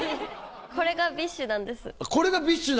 これがＢｉＳＨなんです。